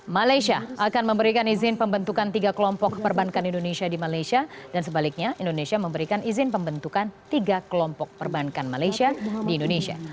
malaysia akan memberikan izin pembentukan tiga kelompok perbankan indonesia di malaysia dan sebaliknya indonesia memberikan izin pembentukan tiga kelompok perbankan malaysia di indonesia